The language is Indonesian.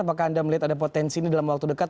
apakah anda melihat ada potensi ini dalam waktu dekat